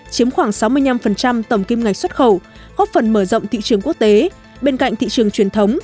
chiếm khoảng sáu mươi năm tổng kim ngạch xuất khẩu góp phần mở rộng thị trường quốc tế bên cạnh thị trường truyền thống